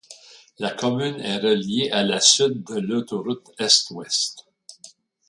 La commune est relié à la sud de l'autoroute Est-ouest.